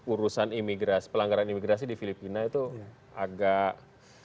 urusan imigrasi pelanggaran imigrasi di filipina itu agak